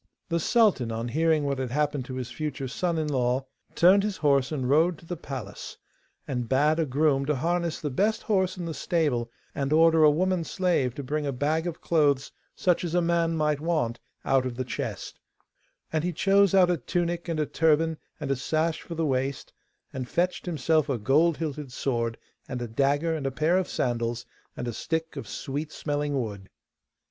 The sultan, on hearing what had happened to his future son in law, turned his horse and rode to the palace, and bade a groom to harness the best horse in the stable and order a woman slave to bring a bag of clothes, such as a man might want, out of the chest; and he chose out a tunic and a turban and a sash for the waist, and fetched himself a gold hilted sword, and a dagger and a pair of sandals, and a stick of sweet smelling wood.